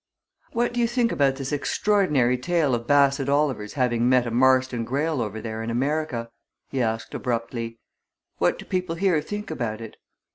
"What do you think about this extraordinary story of Bassett Oliver's having met a Marston Greyle over there in America?" he asked abruptly. "What do people here think about it?"